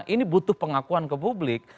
ini butuh pengakuan ke publik